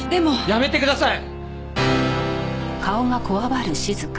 やめてください！